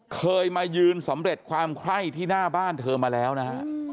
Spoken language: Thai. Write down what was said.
เคยมายืนสำเร็จความไคร้ที่หน้าบ้านเธอมาแล้วนะฮะ